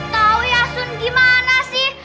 tau ya asun gimana sih